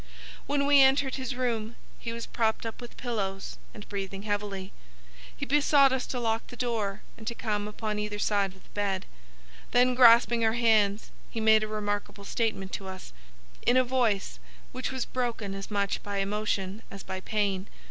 "When we entered his room he was propped up with pillows and breathing heavily. He besought us to lock the door and to come upon either side of the bed. Then, grasping our hands, he made a remarkable statement to us, in a voice which was broken as much by emotion as by pain.